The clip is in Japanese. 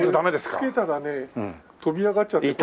つけたら跳び上がっちゃって。